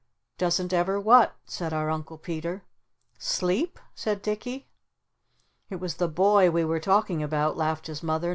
"Doesn't ever what?" said our Uncle Peter. "Sleep?" said Dicky. "It was the boy we were talking about," laughed his Mother.